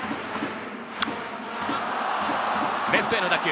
レフトへの打球。